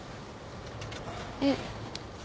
えっ？